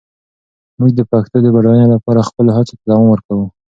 موږ د پښتو د بډاینې لپاره خپلو هڅو ته دوام ورکوو.